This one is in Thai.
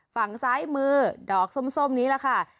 ฝั่งซ้ายมือดอกส้มนี้แหละค่ะ